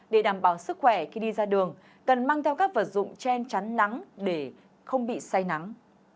để đảm bảo sức khỏe khi đi ra đường cần mang theo các vật dụng chen chắn nắng để không bị say nắng